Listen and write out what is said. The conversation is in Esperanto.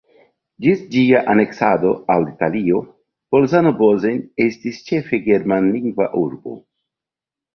Ĝis ĝia aneksado al Italio Bolzano-Bozen estis ĉefe germanlingva urbo.